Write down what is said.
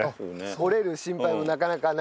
折れる心配もなかなかないから。